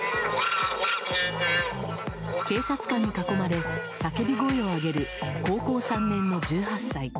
警察官に囲まれ叫び声を上げる高校３年の１８歳。